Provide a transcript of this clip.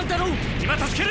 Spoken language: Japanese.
今助ける！